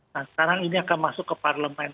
nah sekarang ini akan masuk ke parlemen